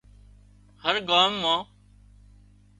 هر ڳام مان